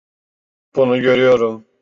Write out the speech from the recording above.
Bunu görüyorum.